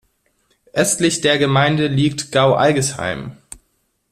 Östlich der Gemeinde liegt Gau-Algesheim.